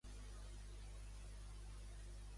Qui va expressar por i temor?